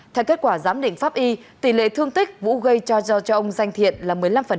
theo kết quả giám định pháp y tỷ lệ thương tích vũ gây cho ông danh thiện là một mươi năm